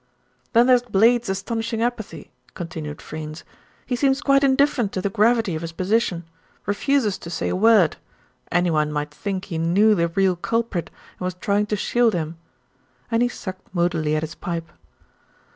"Then there's Blade's astonishing apathy," continued Freynes. "He seems quite indifferent to the gravity of his position. Refuses to say a word. Anyone might think he knew the real culprit and was trying to shield him," and he sucked moodily at his pipe.